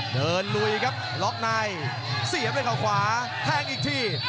ลุยครับล็อกในเสียบด้วยเขาขวาแทงอีกที